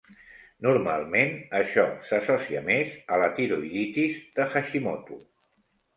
Normalment, això s'associa més a la tiroïditis de Hashimoto.